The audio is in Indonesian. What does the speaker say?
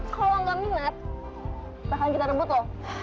kalau nggak minat bahkan kita rebut lho